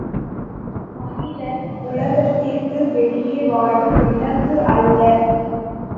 மனிதன் உலகத்திற்கு வெளியே வாழும் விலங்கு அல்ல.